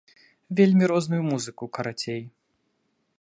Вельмі розную музыку, карацей.